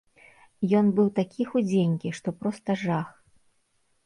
Ён быў такі худзенькі, што проста жах!